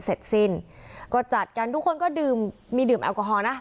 เสร็จซิ้นก็จัดกันทุกคนมีดื่มแอลกอฮอล์นะ